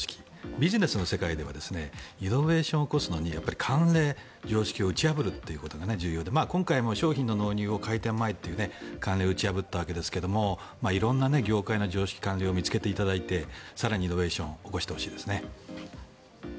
ビジネスの世界ではイノベーションを起こすのにやっぱり慣例、常識を打ち破ることが重要で今回も商品の納入を開店前という慣例を打ち破ったわけですが色んな業界の常識、慣例を見つけていただいて更にイノベーションを起こしてほしいですね。